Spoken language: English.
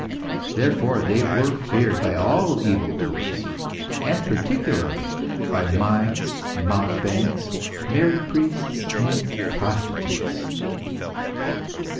Therefore they were feared by all evil doers, and particularly by mimes, mountebanks, married priests, and prostitutes.